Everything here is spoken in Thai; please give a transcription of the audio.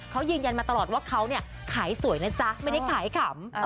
เขายืนยันมาตลอดว่าเขาเนี่ยขายสวยนะจ๊ะไม่ได้ขายขำ